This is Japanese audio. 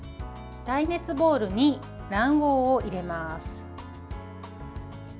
耐熱ボウルに卵黄を入れます。